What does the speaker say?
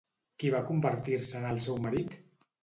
Qui va convertir-se en el seu marit?